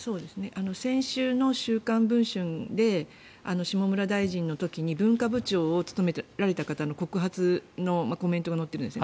先週の「週刊文春」で下村大臣の時に文化部長を務められた方の告発のコメントが載ってるんです。